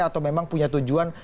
atau memang punya tujuan